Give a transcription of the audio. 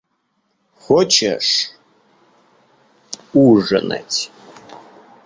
Хочешь ужинать?